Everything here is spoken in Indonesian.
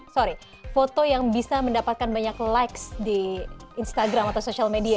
sorry foto yang bisa mendapatkan banyak likes di instagram atau social media